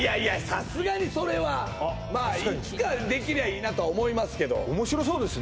さすがにそれはまあいつかできりゃいいなとは思いますけど面白そうですね